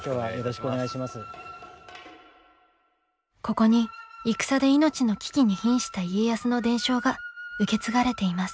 ここに戦で命の危機にひんした家康の伝承が受け継がれています。